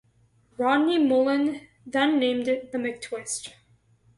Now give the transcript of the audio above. Rodney Mullen then named it the McTwist.